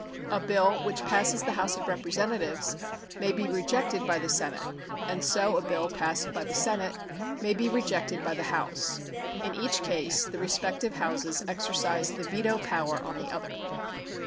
A bill which passes the House of Representatives may be rejected by the Senate, and so a bill passed by the Senate may be rejected by the House. In each case the respective Houses exercise the veto power on the other.